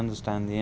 đến hà tây